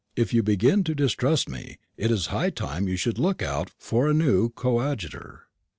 If you begin to distrust me, it is high time you should look out for a new coadjutor."